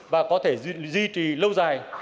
và có thể duy trì lâu dài